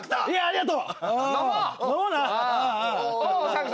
うんありがとう。